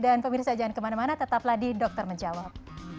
dan pemirsa jangan kemana mana tetaplah di dokter menjawab